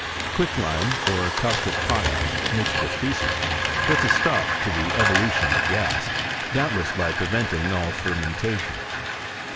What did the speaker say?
Quicklime^ or caustic potash, mixed with fsces, puts a stop to the evolution of gas, doubtless by preventing all fermentation.